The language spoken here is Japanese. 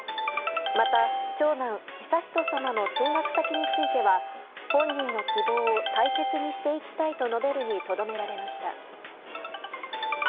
また、長男・悠仁さまの進学先については本人の希望を大切にしていきたいと述べるのとどめられました。